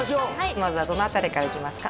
まずはどの辺りからいきますか？